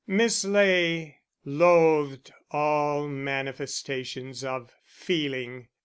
Miss Ley loathed all manifestations of feeling.